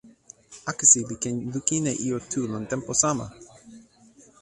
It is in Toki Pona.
akesi li ken lukin e ijo tu lon tenpo sama!